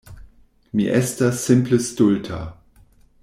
Mi estas simple stulta.